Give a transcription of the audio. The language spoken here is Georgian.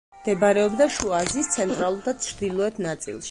მდებარეობდა შუა აზიის ცენტრალურ და ჩრდილოეთ ნაწილში.